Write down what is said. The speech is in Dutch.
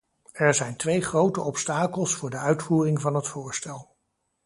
Er zijn twee grote obstakels voor de uitvoering van het voorstel.